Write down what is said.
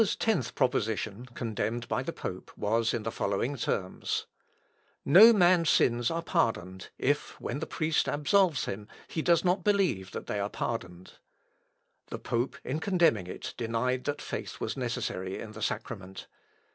Luther's tenth proposition, condemned by the pope, was in the following terms: "No man's sins are pardoned, if, when the priest absolves him, he does not believe that they are pardoned." The pope in condemning it denied that faith was necessary in the Sacrament.